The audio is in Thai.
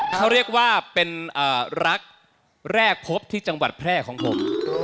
เขาเรียกว่าเป็นรักแรกพบที่จังหวัดแพร่ของผม